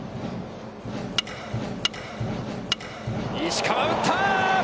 石川、打った！